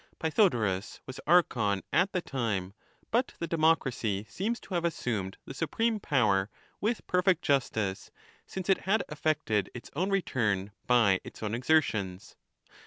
Pythodorus was Archon at the time, but the democracy seems to have assumed the supreme power with perfect justice, since it had effected its own return by its 2 own exertions.